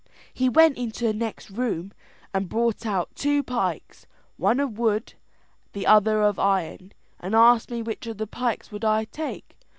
"He went into the next room and brought out two pikes, one of wood, the other of iron, and asked me which of the pikes would I take.